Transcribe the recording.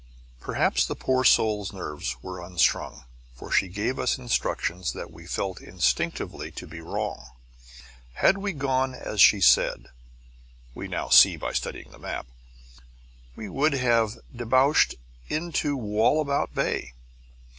Perhaps the poor soul's nerves were unstrung, for she gave us instruction that we felt instinctively to be wrong. Had we gone as she said (we now see by studying the map) we would have debouched into Wallabout Bay.